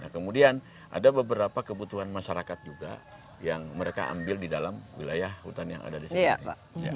kemudian ada beberapa kebutuhan masyarakat juga yang mereka ambil di dalam wilayah hutan yang ada di sini